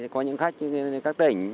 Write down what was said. có những khách như các tỉnh